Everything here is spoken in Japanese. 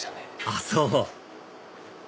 あっそう！